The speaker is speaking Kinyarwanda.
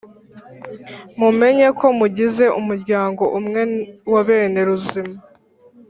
Mumenye ko mugize umuryango umwe wa bene Ruzima.